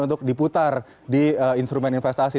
untuk diputar di instrumen investasi